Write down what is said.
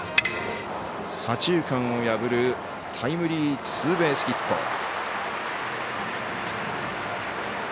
左中間を破るタイムリーツーベースヒット。